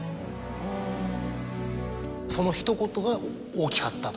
そのひと言が大きかったと？